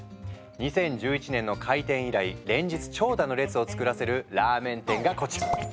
２０１１年の開店以来連日長蛇の列を作らせるラーメン店がこちら。